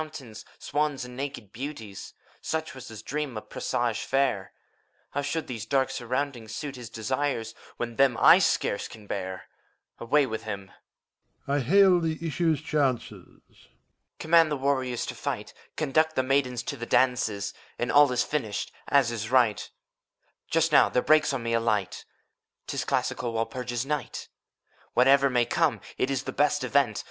Wood fountains, swans, and naked beauties, Such was his dream of presage fair: How should these dark surroundings suit his Desires, when them / scarce can bear? Away with him! MEPHISTOPHELES. I hail the issue's chances. HOMUNCULUS. Command the warrior to the fight. Conduct the maiden to the dances. And all is finished, as is right. Just now — ^there breaks on me a light — 'T is Classical Walpurgis Night ; Whate'er may come, it is the best event.